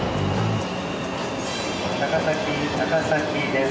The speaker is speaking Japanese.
「高崎高崎です」